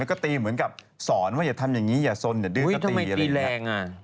แล้วก็ตีเหมือนกับสอนว่าอย่าทำอย่างนี้อย่าสนอย่าดื้อก็ตีอะไรอย่างนี้แหละ